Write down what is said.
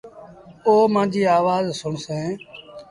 او مآݩجيٚ آوآز سُڻسيݩ